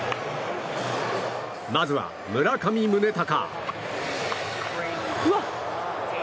まずは村上宗隆。